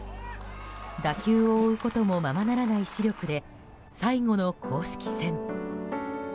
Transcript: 打球を追うこともままならない視力で最後の公式戦。